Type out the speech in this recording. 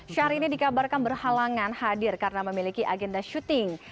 syahrini dikabarkan berhalangan hadir karena memiliki agenda syuting